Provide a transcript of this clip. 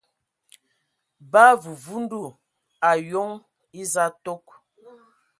Ba vuvundu ayoŋ eza tok.